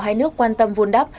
hai nước quan tâm vun đắp